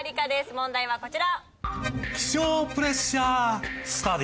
問題はこちら。